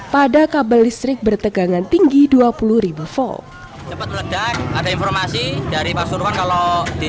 pada kabel listrik bertegangan tinggi dua puluh ribu volt